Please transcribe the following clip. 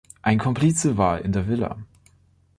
Ein Komplize war in der Villa.